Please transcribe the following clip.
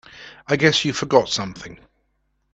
I guess you forgot something.